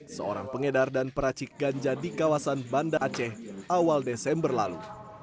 seorang pengedar dan peracik ganja di kawasan banda aceh awal desember lalu